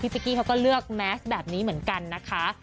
ปิ๊กกี้เขาก็เลือกแมสแบบนี้เหมือนกันนะคะ